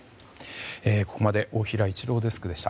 ここまで大平一郎デスクでした。